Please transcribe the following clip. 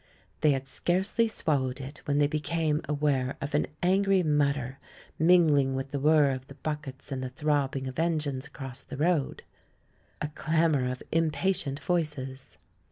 They had scarcely swallowed it when they be came aware of an angry mutter, mingling with THE LAURELS AND THE LADY 93 the whir of the buckets and the throbbing of en gines across the road — a clamour of impatient voices.